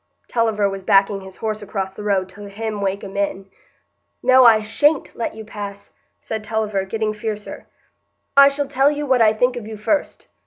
(Tulliver was backing his horse across the road to hem Wakem in.) "No, I sha'n't let you pass," said Tulliver, getting fiercer. "I shall tell you what I think of you first.